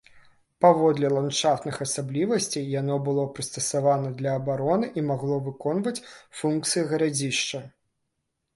Паводле ландшафтных асаблівасцей яно было прыстасавана для абароны і магло выконваць функцыі гарадзішча.